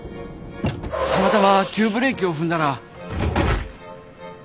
たまたま急ブレーキを踏んだら。